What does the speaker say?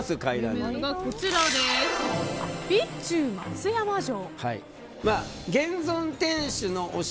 備中松山城。